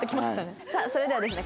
さあそれではですね